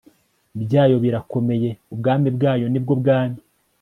byayo birakomeye Ubwami bwayo ni bwo bwami